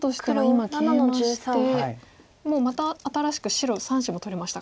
今ケイマしてもうまた新しく白３子も取れましたか。